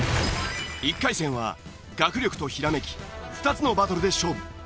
１回戦は学力とひらめき２つのバトルで勝負。